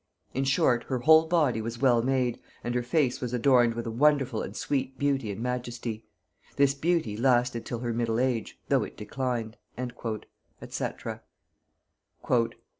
In short, her whole body was well made, and her face was adorned with a wonderful and sweet beauty and majesty. This beauty lasted till her middle age, though it declined." &c. [Note 31: Bohun's "Character of Queen Elizabeth."